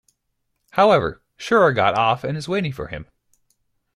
However, Shura got off and is waiting for him.